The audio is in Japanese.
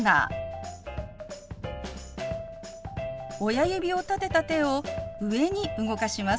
親指を立てた手を上に動かします。